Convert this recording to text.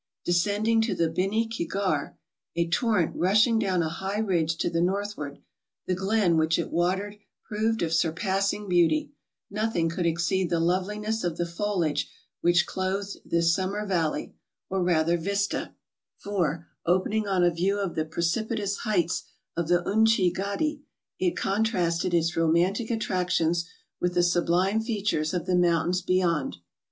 Descending to the Bini ke Grarh, a torrent rushing down a high ridge to the northward, the glen which it watered proved of surpassing beauty; nothing could exceed the loveliness of the foliage which clothed this summer valley, or rather vista; for, opening on a view of the precipitous heights of the Unchi Ghati, it contrasted its romantic attractions with the sub¬ lime features of the mountains beyond.